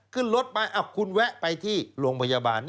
ขึ้นรถไปคุณแวะไปที่โรงพยาบาล